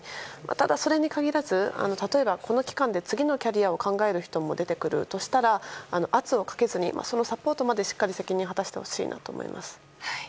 ただ、それに限らず例えば、この期間で次のキャリアを考える人も出てくるとしたら圧をかけずに、そのサポートまでしっかり責任を果たしてほしいなと思います。